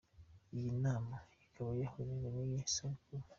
Iyi nama ikaba yahujwe n’iyi sabukuru.